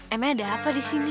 emang ada apa disini